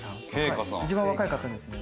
一番若い方ですね。